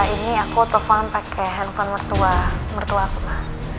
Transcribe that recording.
ini aku telepon pakai handphone mertua mertua ku ma